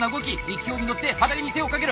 勢いに乗って肌着に手をかける！